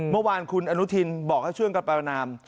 เมื่อวานคุณอนุทินบอกให้ช่วยกันประนาม